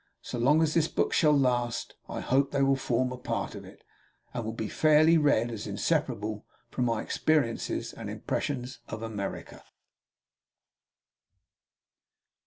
So long as this book shall last, I hope that they will form a part of it, and will be fairly read as inseparable from my experiences and impressions of America.